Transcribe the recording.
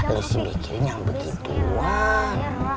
lo sih mikirin yang begituan